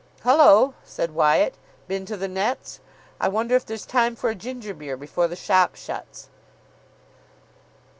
"Hullo," said Wyatt, "been to the nets? I wonder if there's time for a ginger beer before the shop shuts."